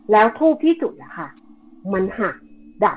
แล้วทูบที่จุดอะค่ะมันหักดับ